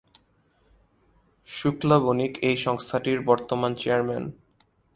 শুক্লা বণিক এই সংস্থাটির বর্তমান চেয়ারম্যান।